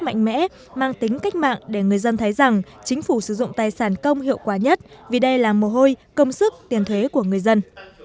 mạnh mẽ mang tính cách mạng để người dân thấy rằng chính phủ sử dụng tài sản công hiệu quả nhất vì đây là mồ hôi công sức tiền thuế của người dân